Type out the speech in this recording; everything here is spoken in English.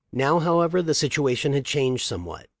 * Now, however, the situa tion had changed somewhat.